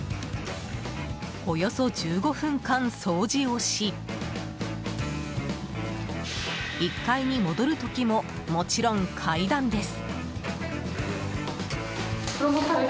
およそ１５分間掃除をし１階に戻る時ももちろん階段です。